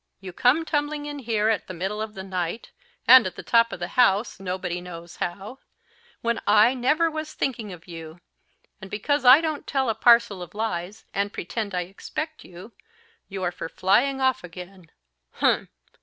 You come tumbling in here at the middle of the night and at the top of the house nobody knows how when I never was thinking of you; and because I don't tell a parcel of lies, and pretend I expected you, you are for flying off again humph!